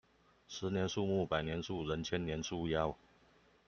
十年樹木，百年樹人，千年樹妖